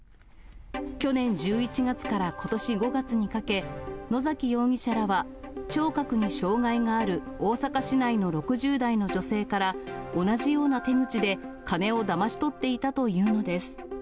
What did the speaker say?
去年１１月からことし５月にかけ、野崎容疑者らは、聴覚に障がいがある大阪市内の６０代の女性から同じような手口で、金をだまし取っていたというのです。